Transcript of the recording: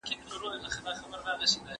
نن سهار ښار بېخي ارام معلومېده.